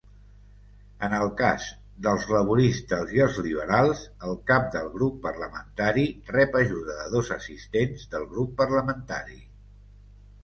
En el cas dels laboristes i els liberals, el cap del grup parlamentari rep ajuda de dos assistents del grup parlamentari.